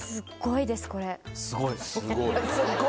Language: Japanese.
すごい。